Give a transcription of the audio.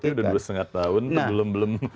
tapi sudah dua setengah tahun belum belum